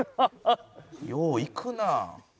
「よういくな」